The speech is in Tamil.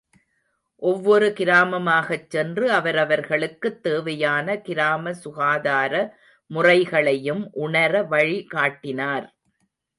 ஒவ்வொரு கிராமமாகச் சென்று அவரவர்களுக்குத் தேவையான கிராம சுகாதார முறைகளையும் உணர வழிகாட்டினார்.